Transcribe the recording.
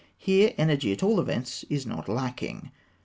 Here energy, at all events, is not lacking.